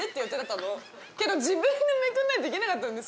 けど自分でめくんないといけなかったんです。